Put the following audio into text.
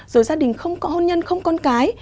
rồi gia đình không có hôn nhân không con cái